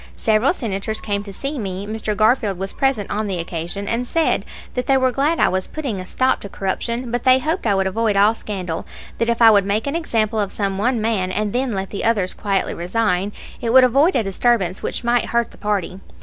Several Senators came to me Mr. Garfield was present on the occasion and said that they were glad I was putting a stop to corruption, but they hoped I would avoid all scandal; that if I would make an example of some one man and then let the others quietly resign, it would avoid a disturbance which might hurt the party.